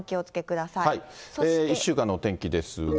１週間のお天気ですが。